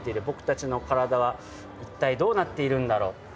「僕たちの体はいったいどうなっているんだろう？」